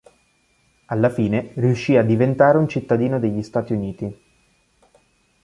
Alla fine riuscì a diventare un cittadino degli Stati Uniti.